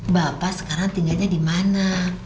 bapak sekarang tinggalnya dimana